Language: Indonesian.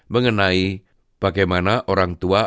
mengenai bagaimana orang tua